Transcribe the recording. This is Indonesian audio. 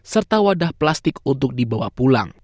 serta wadah plastik untuk dibawa pulang